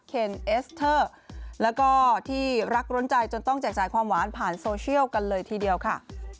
เคนเอสเตอร์แล้วก็ที่รักร้นใจจนต้องแจกจ่ายความหวานผ่านโซเชียลกันเลยทีเดียวค่ะ